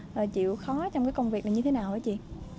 chị chịu khó trong cái công việc này như thế nào hả chị